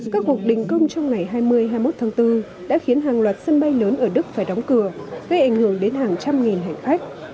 các cuộc đình công trong ngày hai mươi hai mươi một tháng bốn đã khiến hàng loạt sân bay lớn ở đức phải đóng cửa gây ảnh hưởng đến hàng trăm nghìn hành khách